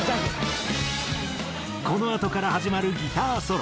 このあとから始まるギターソロ